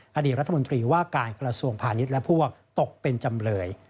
คดีรัฐมนตรีว่าการคลส่วงผ่านิดและพวกตกเป็นจำเลย